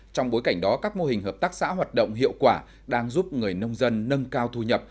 trong bối cảnh đó các mô hình hợp tác xã hoạt động hiệu quả đang giúp người nông dân nâng cao thu nhập